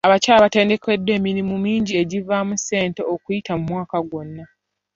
Abakyala batendekeddwa emirimu mingi egivaamu ssente okuyita mu mwaka gwonna.